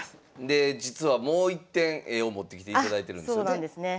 で実はもう一点絵を持ってきていただいてるんですよね。